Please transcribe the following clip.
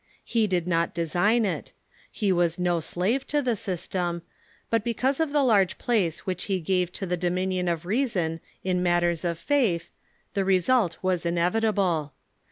He did not design it. He was no slave to the system, but, because of the large place which he gave to the dominion of reason in matters of faith, the result was inevitable.